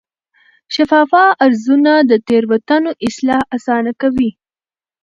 شفافه ارزونه د تېروتنو اصلاح اسانه کوي.